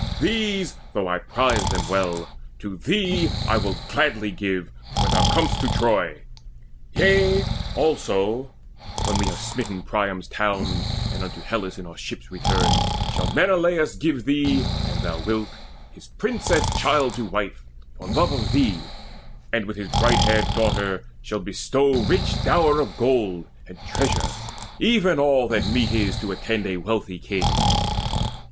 These, though I prize them well, to thee Will I give gladly when thou com'st to Troy. Yea also, when we have smitten Priam's towns And unto Hellas in our ships return, Shall Menelaus give thee, an thou wilt, His princess child to wife, of love for thee, And with his bright haired daughter shall bestow Rich dower of gold and treasure, even all That meet is to attend a wealthy king."